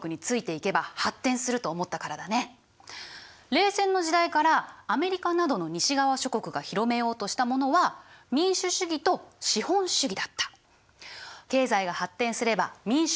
冷戦の時代からアメリカなどの西側諸国が広めようとしたものは民主主義と資本主義だった。